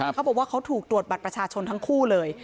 เขาบอกว่าเขาถูกตรวจบัตรประชาชนทั้งคู่เลย